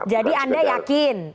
jadi anda yakin kalau